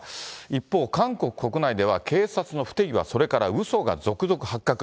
一方、韓国国内では警察の不手際、それからうそが続々発覚。